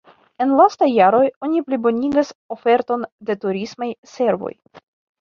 En lastaj jaroj oni plibonigas oferton de turismaj servoj.